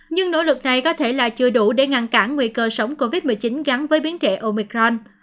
nhưng nỗ lực này có thể là chưa đủ để ngăn cản nguy cơ sống covid một mươi chín gắn với biến trẻ omicron